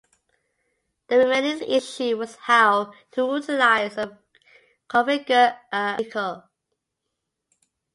The remaining issue was how to utilise and configure a vehicle.